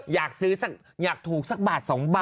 อยากถูกสักบาทสองบาท